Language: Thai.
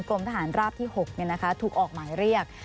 กลมทหารราบที่หกเนี่ยนะคะถูกออกหมายเรียก